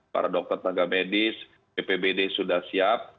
para dokter taga medis ppbd sudah siap